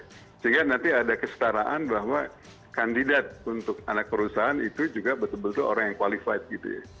sehingga nanti ada kesetaraan bahwa kandidat untuk anak perusahaan itu juga betul betul orang yang qualified gitu ya